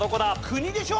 国でしょ？